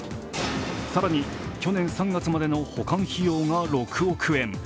更に去年３月までの保管費用が６億円。